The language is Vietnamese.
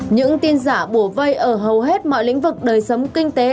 những tin giả bùa vây ở hầu hết mọi lĩnh vực đời sống kinh tế